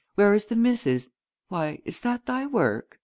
Where is the missus? Why, is that thy work?"